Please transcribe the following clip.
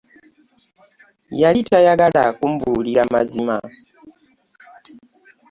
Yali tayagala kumbuulira mazima.